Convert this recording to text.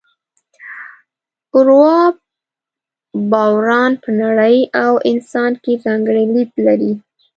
اروا باوران په نړۍ او انسان کې ځانګړی لید لري.